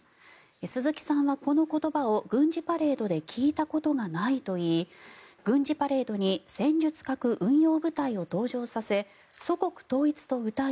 鈴木さんはこの言葉を軍事パレードで聞いたことがないといい軍事パレードに戦術核運用部隊を登場させ祖国統一とうたい